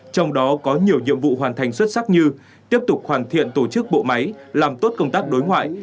trong đó có nhiều nhiệm vụ hoàn thành xuất sắc như tiếp tục hoàn thiện tổ chức bộ máy làm tốt công tác đối ngoại